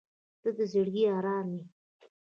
• ته د زړګي ارام یې.